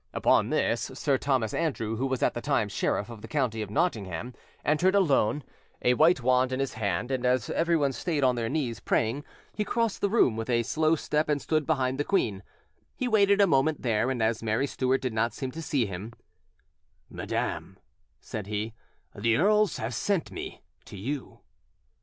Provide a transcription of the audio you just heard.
Upon this, Sir Thomas Andrew, who was at the time sheriff of the county of Nottingham, entered alone, a white wand in his hand, and as everyone stayed on their knees praying, he crossed the room with a slow step and stood behind the queen: he waited a moment there, and as Mary Stuart did not seem to see him— "Madam," said he, "the earls have sent me to you."